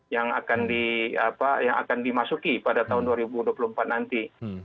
yang akan dimasuki pada tahun dua ribu dua puluh empat nanti